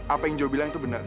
apa yang joe bilang itu benar